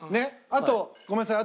あとごめんなさい